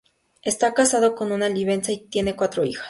Está casado con una libanesa y tiene cuatro hijos.